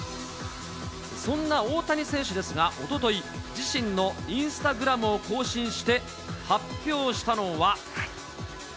そんな大谷選手ですが、おととい、自身のインスタグラムを更新して発表したのは。